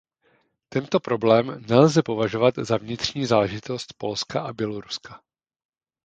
Tento problém nelze považovat za vnitřní záležitost Polska a Běloruska.